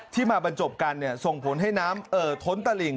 ที่มาบรรจบกันส่งผลให้น้ำท้นตะหลิง